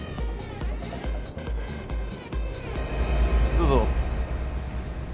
どうぞ。